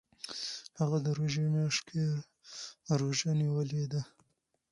هغه د روژې میاشت کې روژه نیولې ده.